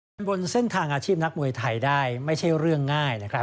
บนเส้นทางอาชีพนักมวยไทยได้ไม่ใช่เรื่องง่ายนะครับ